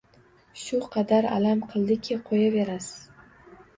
Shu qadar alam qildiki, qo‘yaverasiz.